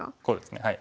こうですね。